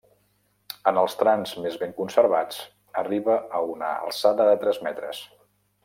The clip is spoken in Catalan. En els trams més ben conservats, arriba a una alçada de tres metres.